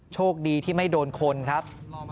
โชคดีที่ไม่โดนคนครับ